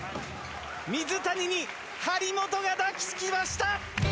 水谷に張本が抱き着きました。